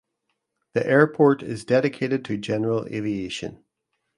The airport is dedicated to general aviation.